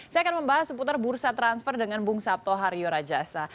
saya akan membahas seputar bursa transfer dengan bung sabto haryo rajasa